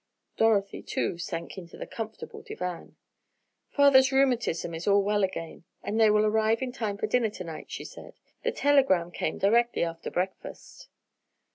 Dorothy, too, sank into the comfortable divan. "Father's rheumatism is all well again, and they will arrive in time for dinner to night," she said. "The telegram came directly after breakfast."